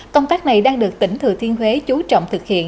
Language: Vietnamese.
công tác này đang được tỉnh thừa thiên huế chú trọng thực hiện